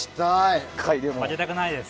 負けたくないです。